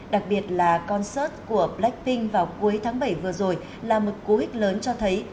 đặc biệt là concert của blackpink vào cuối tháng bảy vừa rồi là một cố hức lớn cho thấy